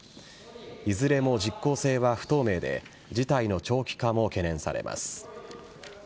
いずれも実効性は不透明で事態の長期化も懸念されます。